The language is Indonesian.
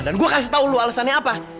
dan gue kasih tau lo alesannya apa